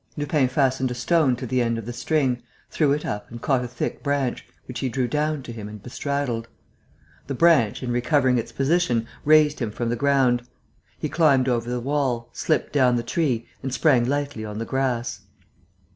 Lupin fastened a stone to the end of the string, threw it up and caught a thick branch, which he drew down to him and bestraddled. The branch, in recovering its position, raised him from the ground. He climbed over the wall, slipped down the tree, and sprang lightly on the grass.